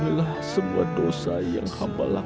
ampunilah semua dosa yang hamba lah